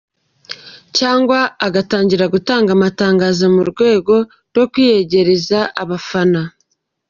Cyangwa agatangira gutanga amatangazo mu rwego rwo kwiyegereza abafana.